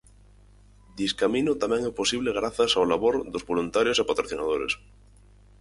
Discamino tamén é posible grazas ao labor dos voluntarios e patrocinadores.